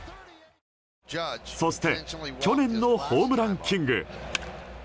そして去年のホームランキング。